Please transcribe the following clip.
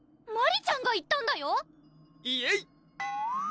マリちゃんが言ったんだよイェイ！